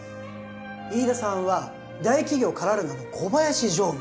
飯田さんは大企業カラルナの小林常務